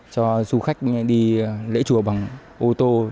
cho du khách đi lễ chùa bằng ô tô